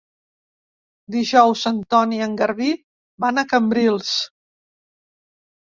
Dijous en Ton i en Garbí van a Cambrils.